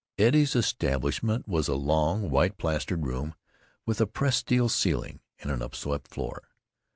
Eddie's establishment was a long, white plastered room with a pressed steel ceiling and an unswept floor.